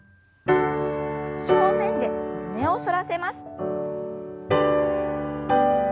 正面で胸を反らせます。